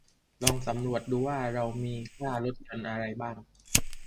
ลองสำรวจดูว่าเรามีค่าลดหย่อนอะไรบ้าง